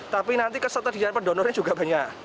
tapi nanti ketersediaan pendonornya juga banyak